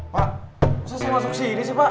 pak kenapa saya masuk sini pak